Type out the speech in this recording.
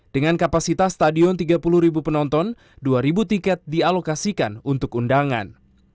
dengan kapasitas stadion tiga puluh ribu penonton dua ribu tiket dialokasikan untuk undangan